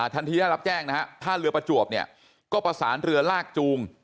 ท่านที่ได้รับแจ้งท่าเรือประจวบก็ประสานเรือลากจูง